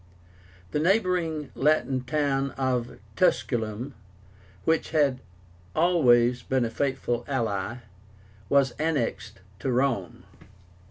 The neighboring Latin town of TUSCULUM, which had always been a faithful ally, was annexed to Rome.